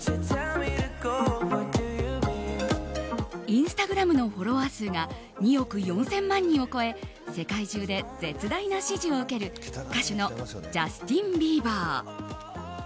インスタグラムのフォロワー数が２億４０００万人を超え世界中で絶大な支持を受ける歌手のジャスティン・ビーバー。